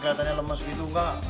keliatannya lemes begitu pak